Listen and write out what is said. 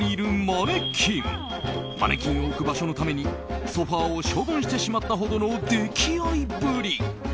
マネキンを置く場所のためにソファを処分してしまったほどの溺愛ぶり。